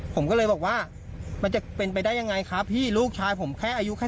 ผมก็เลยบอกว่ามันจะเป็นไปได้ยังไงครับพี่ลูกชายผมแค่อายุแค่